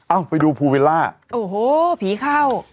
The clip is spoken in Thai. อ้าวไปดูภูวิลล่าโอ้โหผีเข้า